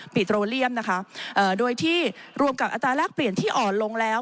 ปิโตรเลียมนะคะโดยที่รวมกับอัตราแรกเปลี่ยนที่อ่อนลงแล้ว